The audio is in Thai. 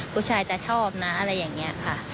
ผู้ชายจะชอบนะอะไรอย่างนี้ค่ะ